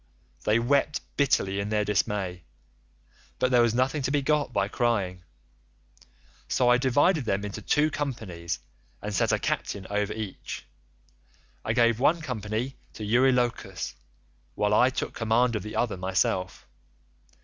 They wept bitterly in their dismay, but there was nothing to be got by crying, so I divided them into two companies and set a captain over each; I gave one company to Eurylochus, while I took command of the other myself.